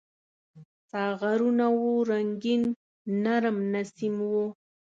ساغرونه وو رنګین ، نرم نسیم و